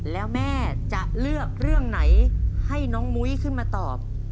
แล้วแม่จะเลือกเรื่องไหนให้น้องมุ้ยขึ้นมาตอบ